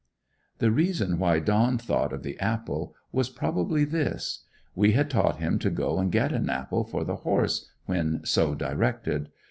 The reason why Don thought of the apple was probably this: we had taught him to go and get an apple for the horse, when so directed.